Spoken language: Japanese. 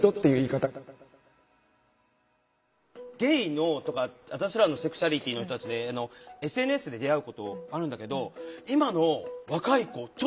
ゲイのとか私らのセクシュアリティーの人たちでＳＮＳで出会うことあるんだけど今の若い子ちょっと多くなってきてんの。